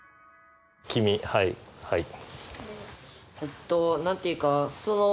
君はいはい。